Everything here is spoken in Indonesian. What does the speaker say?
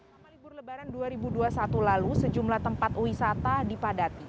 selama libur lebaran dua ribu dua puluh satu lalu sejumlah tempat wisata dipadati